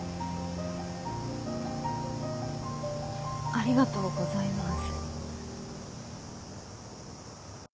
ありがとうございます。